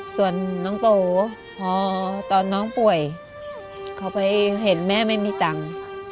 ส่วนน้องโตพอตอนน้องป่วยเขาไปเห็นแม่ไม่มีตังค์